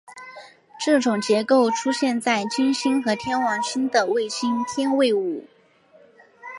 这种结构出现在金星和天王星的卫星天卫五。